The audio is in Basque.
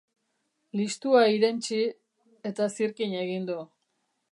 Listua irentsi eta zirkin egin du.